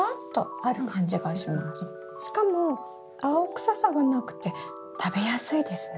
しかも青臭さがなくて食べやすいですね。